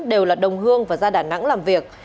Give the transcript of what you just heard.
đều là đồng hương và ra đà nẵng làm việc